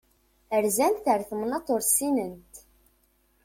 Rzant ar temnaḍt ur ssinent.